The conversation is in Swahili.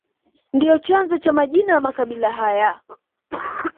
Ndio chanzo cha majina ya makabila haya